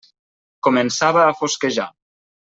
Començava a fosquejar.